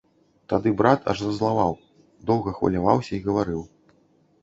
Тады брат аж зазлаваў, доўга хваляваўся і гаварыў.